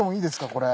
これ。